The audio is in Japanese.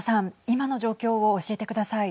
今の状況を教えてください。